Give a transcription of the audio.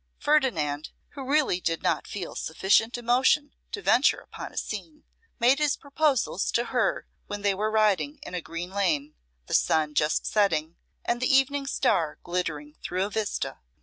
Ferdinand, who really did not feel sufficient emotion to venture upon a scene, made his proposals to her when they were riding in a green lane: the sun just setting, and the evening star glittering through a vista.